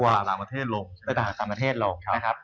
ประตาหลังประเทศลงประตาหลังประเทศลงนะครับ